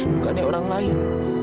bukannya orang lain